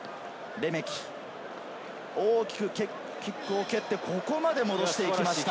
レメキ、大きく蹴って、ここまで戻してきました。